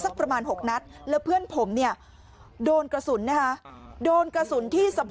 สักประมาณหกนัดและเพื่อนผมเนี่ยโดนกระสุน